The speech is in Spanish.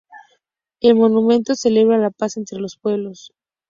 El monumento celebra la paz entre los pueblos.